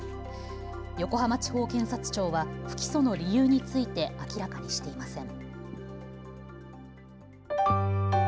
横浜地方検察庁は不起訴の理由について明らかにしていません。